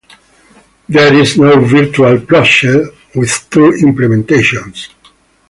There is one virtual procedure with two implementations.